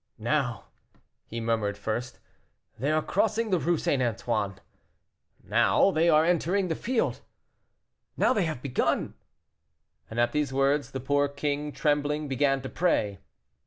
"Now," he murmured first, "they are crossing the Rue St. Antoine now they are entering the field now they have begun." And at these words, the poor king, trembling, began to pray.